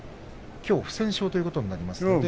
きょう不戦勝ということになりましたので。